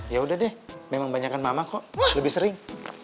ya udah deh memang banyakan mama kok lebih sering